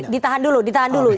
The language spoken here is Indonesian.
ditahan dulu ditahan dulu